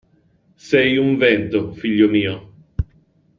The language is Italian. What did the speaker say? Sei un vento, figlio mio.